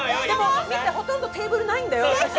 見て、ほとんどテーブルないんだよ。